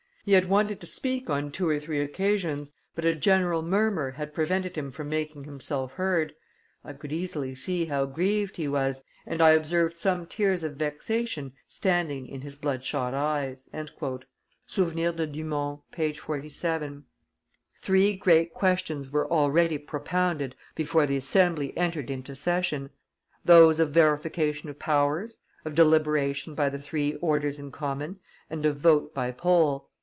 He had wanted to speak on two or three occasions, but a general murmur had prevented him from making himself heard. I could easily see how grieved he was, and I observed some tears of vexation standing in his bloodshot eyes " [Souvenirs de Dumont, p. 47]. Three great questions were already propounded before the Assembly entered into session; those of verification of powers, of deliberation by the three orders in common, and of vote by poll.